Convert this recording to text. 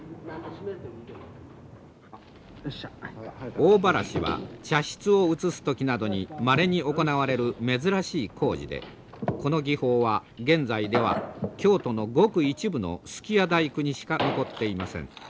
大ばらしは茶室を移す時などにまれに行われる珍しい工事でこの技法は現在では京都のごく一部の数寄屋大工にしか残っていません。